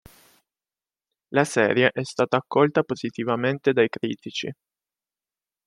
La serie è stata accolta positivamente dai critici.